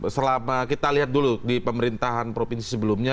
selama kita lihat dulu di pemerintahan provinsi sebelumnya